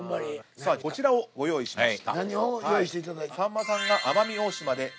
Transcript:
さあこちらをご用意しました。